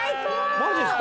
マジですか？